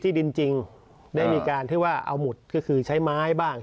ดินจริงได้มีการที่ว่าเอาหมุดก็คือใช้ไม้บ้าง